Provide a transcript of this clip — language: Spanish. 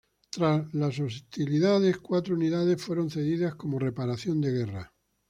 Tras las hostilidades, cuatro unidades fueron cedidas como reparación de guerra.